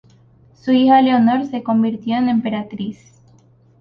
Su hija Leonor se convirtió en emperatriz.